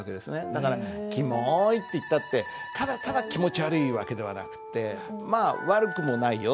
だから「キモイ」って言ったってただただ気持ち悪い訳ではなくてまあ悪くもないよ